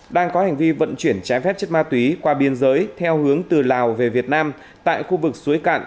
đang có hành vi vận chuyển trái phép chất ma túy qua biên giới theo hướng từ lào về việt nam tại khu vực suối cạn